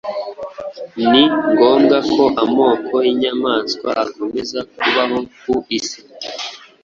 Ni ngombwa ko amoko y’inyamaswa akomeza kubaho ku isi.